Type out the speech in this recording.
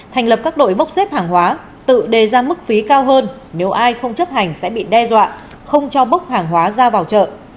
thành lập các đội bốc xếp hàng hóa tự đề ra mức phí cao hơn nếu ai không chấp hành sẽ bị đe dọa không cho bốc hàng hóa ra vào chợ